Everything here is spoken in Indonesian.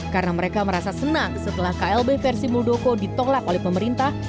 karena mereka merasa senang setelah klb versi muldoko ditolak oleh pemerintah